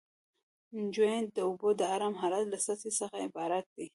جیوئید د اوبو د ارام حالت له سطحې څخه عبارت ده